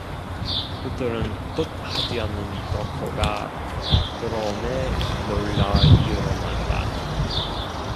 그들은 뜻하지 않은 덕호가 들어오매 놀라 일어난다.